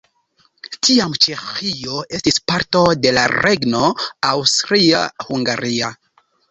Tiam Ĉeĥio estis parto de la regno Aŭstria-Hungaria.